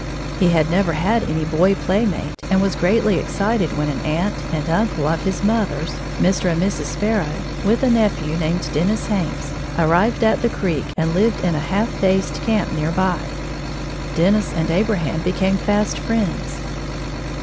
He had never had any boy playmate and was greatly excited when an aunt and uncle of his mother's, Mr. and Mrs. Sparrow, with a nephew, named Dennis Hanks, arrived at the creek and lived in a half faced camp near by. Dennis and Abraham became fast friends.